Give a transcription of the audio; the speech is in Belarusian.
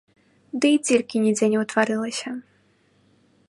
Дый дзіркі нідзе не ўтварылася.